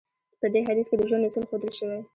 په دې حديث کې د ژوند اصول ښودل شوی.